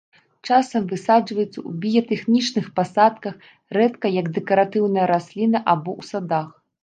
Часам высаджваецца ў біятэхнічных пасадках, рэдка як дэкаратыўная расліна або ў садах.